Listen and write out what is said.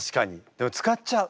でも使っちゃう。